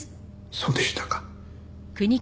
そうでしたか。